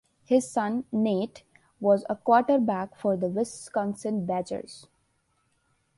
His son, Nate, was a quarterback for the Wisconsin Badgers.